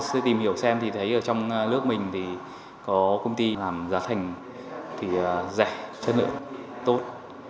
chưa tìm hiểu xem thì thấy ở trong nước mình thì có công ty làm giá thành thì rẻ chất lượng tốt